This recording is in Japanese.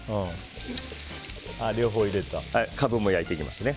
カブも焼いていきますね。